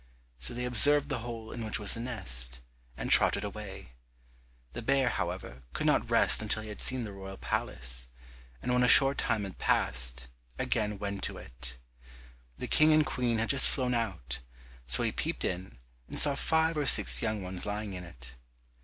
So they observed the hole in which was the nest, and trotted away. The bear, however, could not rest until he had seen the royal palace, and when a short time had passed, again went to it. The King and Queen had just flown out, so he peeped in and saw five or six young ones lying in it.